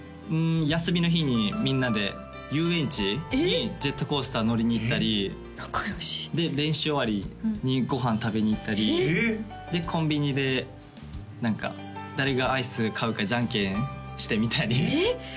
休みの日にみんなで遊園地にジェットコースター乗りに行ったり仲良しで練習終わりにご飯食べに行ったりコンビニで何か誰がアイス買うかじゃんけんしてみたりえっ？